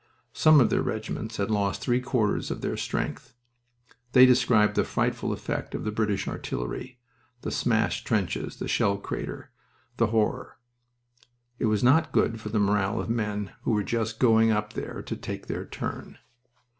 Some of their regiments had lost three quarters of their strength. They described the frightful effect of the British artillery the smashed trenches, the shell crater, the horror. It was not good for the morale of men who were just going up there to take their turn.